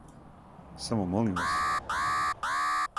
Само молим вас?